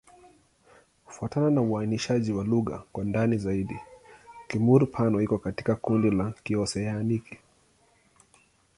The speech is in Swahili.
Kufuatana na uainishaji wa lugha kwa ndani zaidi, Kimur-Pano iko katika kundi la Kioseaniki.